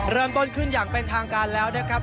เริ่มต้นขึ้นอย่างเป็นทางการแล้วนะครับ